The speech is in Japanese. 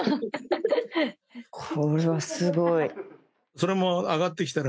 これはすごい。